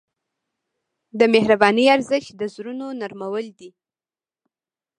د مهربانۍ ارزښت د زړونو نرمول دي.